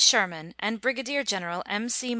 Sherman and Brigadier General M.C.